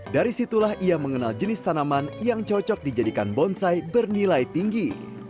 dari situlah ia mengenal jenis tanaman yang cocok dijadikan bonsai bernilai tinggi